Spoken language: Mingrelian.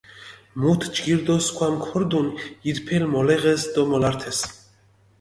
მუთ ჯგირი დო სქვამი ქორდუნი ირფელი მოლეღეს დო მოლართეს.